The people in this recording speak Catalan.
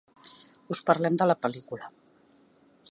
us parlem de la pel·lícula